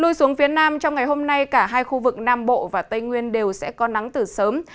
lùi xuống phía nam trong ngày hôm nay cả hai khu vực nam bộ và tây nguyên đều sẽ có nắng từ sớm